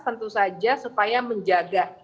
tentu saja supaya menjaga